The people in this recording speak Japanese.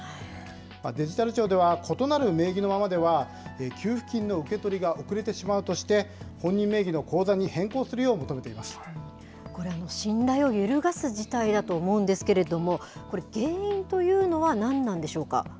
デジタル庁では異なる名義のままでは、給付金の受け取りが遅れてしまうとして、本人名義の口座にこれ、信頼を揺るがす事態だと思うんですけれども、これ、原因というのはなんなんでしょうか。